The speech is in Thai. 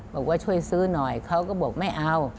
บอกว่าช่วยซื้อหน่อยเขาก็บอกไม่เอา